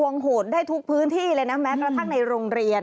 เนื้อเนื้อเนื้อเนิน